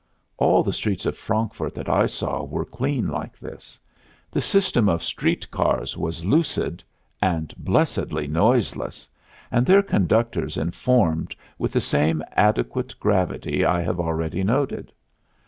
All the streets of Frankfurt, that I saw, were clean like this. The system of street cars was lucid and blessedly noiseless! and their conductors informed with the same adequate gravity I have already noted.